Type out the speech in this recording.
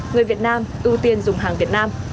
người việt nam ưu tiên dùng hàng việt nam